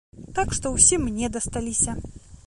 Так што ўсе мне дасталіся.